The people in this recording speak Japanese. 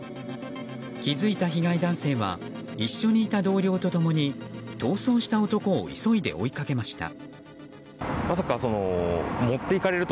気づいた被害男性は一緒にいた同僚と共に逃走した男を急いで追いかけました。